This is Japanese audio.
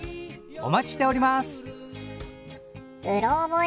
お待ちしております！